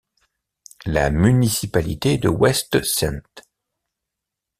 La municipalité de West St.